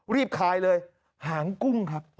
คายเลยหางกุ้งครับ